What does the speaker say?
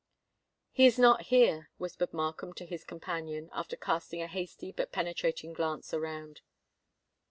"He is not here," whispered Markham to his companion, after casting a hasty but penetrating glance around.